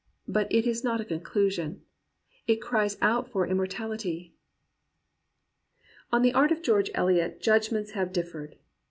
But it is not a conclusion. It cries out for immortality. On the art of George Eliot judgments have dif fered. Mr.